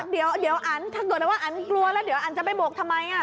เดี๋ยวอันถ้าเกิดว่าอันกลัวแล้วเดี๋ยวอันจะไปโบกทำไม